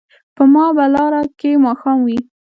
په ما به لاره کې ماښام وي